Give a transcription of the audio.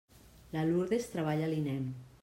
La Lurdes treballa a l'INEM.